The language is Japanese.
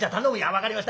「分かりました。